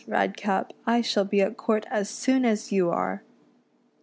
Redcap, I shall be at court as soon as you are."